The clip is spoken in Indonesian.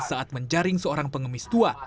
saat menjaring seorang pengemis tua